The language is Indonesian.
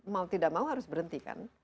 mau tidak mau harus berhenti kan